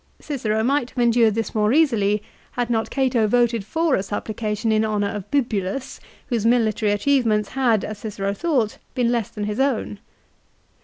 Cicero might have endured this more easily had not Cato voted for a supplication in honour of Bibulus, whose military achievements had, as Cicero thought, been less than his own.